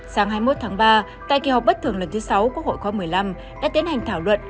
sáng hai mươi một tháng ba tại kỳ họp bất thường lần thứ sáu quốc hội khóa một mươi năm đã tiến hành thảo luận